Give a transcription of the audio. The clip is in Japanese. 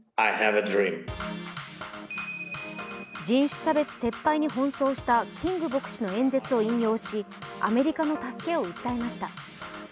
人種差別撤廃に奔走したキング牧師の演説を引用し、アメリカの助けを訴えました。